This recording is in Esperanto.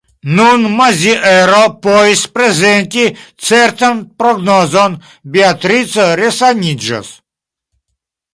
Nun Maziero povis prezenti certan prognozon: Beatrico resaniĝos.